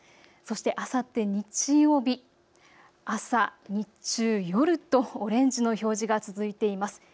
そしてあさって日曜日、朝、日中、夜とオレンジの表示が続いています。